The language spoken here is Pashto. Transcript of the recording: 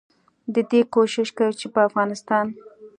ددې کوشش کوي چې په افغانستان